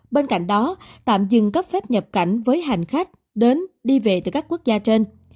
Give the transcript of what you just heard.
bên cạnh đó tạm dừng cấp phép nhập cảnh với hành khách đến đi về từ các quốc gia trên